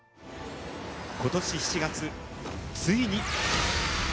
今年７月、ついに。